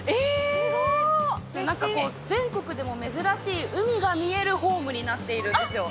なんか、全国でも珍しい海が見えるホームになっているんですよ。